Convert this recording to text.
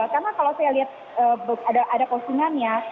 karena kalau saya lihat ada postingannya